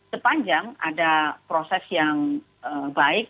sepanjang ada proses yang baik